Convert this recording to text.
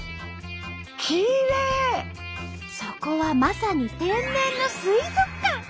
そこはまさに天然の水族館。